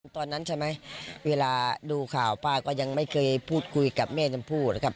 ตอนนั้นใช่ไหมเวลาดูข่าวป้าก็ยังไม่เคยพูดคุยกับแม่ชมพู่นะครับ